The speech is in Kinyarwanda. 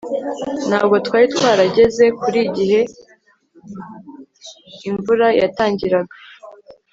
Ntabwo twari twarageze kure igihe imvura yatangiraga